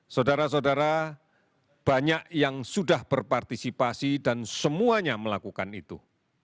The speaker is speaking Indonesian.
saudara saudara banyak yang sudah berpartisipasi dan semuanya melakukan itu